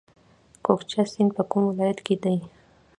کوکچه سیند په کوم ولایت کې دی؟